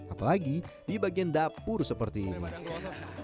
apalagi di bagian dapur seperti ini